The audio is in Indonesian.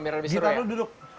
gitar lu duduk